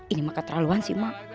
ini mah keterlaluan sih mak